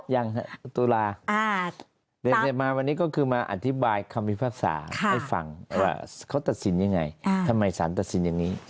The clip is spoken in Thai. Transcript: ยังฮะตุลาเดินมาวันนี้ก็คือมาอธิบายคำพิพากษาให้ฟังว่าเขาตัดสินยังไงทำไมสารตัดสินอย่างนี้